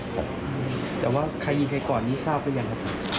ใครยิงให้ก่อนนี้ทราบหรือยังครับ